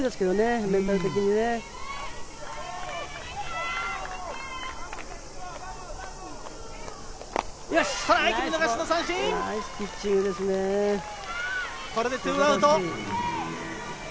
これで２アウト。